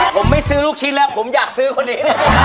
ผมไม่ซื้อลูกชิ้นแล้วผมอยากซื้อคนนี้